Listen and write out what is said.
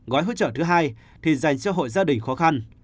gói hỗ trợ thứ hai thì dành cho hội gia đình khó khăn